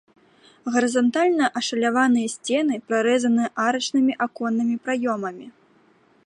Гарызантальна ашаляваныя сцены прарэзаны арачнымі аконнымі праёмамі.